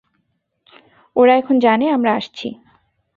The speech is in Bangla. ওরা এখন জানে আমরা আসছি।